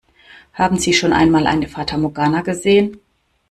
Haben Sie schon einmal eine Fata Morgana gesehen?